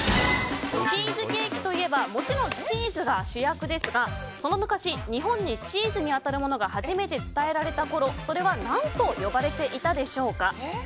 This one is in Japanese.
チーズケーキといえばもちろんチーズが主役ですがその昔、日本にチーズに当たるものが初めて伝えられたころそれは何と呼ばれていたでしょうか。